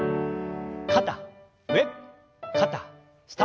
肩上肩下。